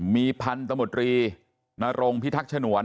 มีพันธุ์ตมตรีนารงพิทักษ์ชนวร